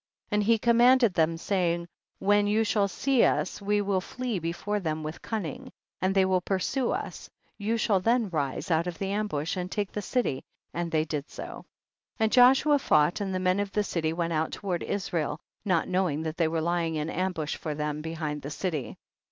40. And he commanded them, say ing, when you shall see us we will flee before them with cunning, and they will pursue us, you shall then rise out of the ambush and take the city, and they did so. 41. And Joshua fought, and the men of the city went out toward Is rael, not knowina: that they were ly ing in ambush for them behind the city.